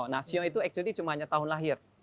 nah shio itu sebenarnya cuma hanya tahun lahir